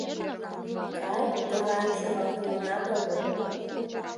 Кай, тыгайым шоналтыманат огыл.